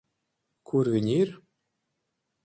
Kur viņi ir?